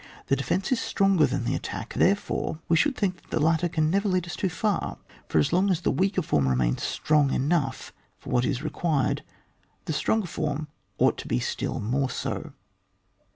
The defence is stronger than the attack ; therefore we should think that the latter can neyer lead us too far, for as long as the weaker form remains strong enough for what is required, the stronger form ought to he still more so.